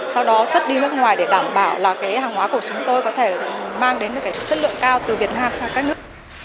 sau đó xuất đi nước ngoài để đảm bảo là cái hàng hóa của chúng tôi có thể mang đến cái chất lượng cao từ việt nam sang các nước